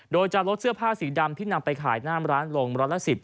โดยจะลดเสื้อผ้าสีดำที่นำไปขายหน้ามร้านลงร้อยละ๑๐